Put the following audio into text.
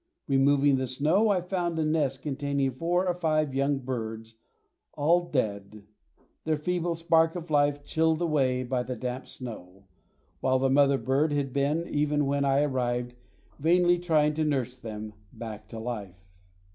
Removing the snow I found a nest containing four or five young birds all dead, their feeble spark of life chilled away by the damp snow, while the mother bird had been, even when I arrived, vainly trying to nurse them back to life.